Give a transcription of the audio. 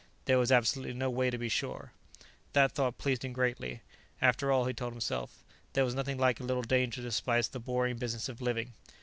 There was absolutely no way to be sure. That thought pleased him greatly; after all, he told himself, there was nothing like a little danger to spice the boring business of living.